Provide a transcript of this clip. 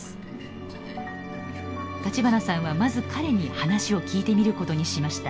立花さんはまず彼に話を聞いてみることにしました。